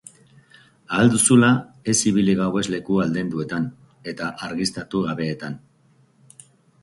Ahal duzula ez ibili gauez leku aldenduetan eta argiztatu gabeetan.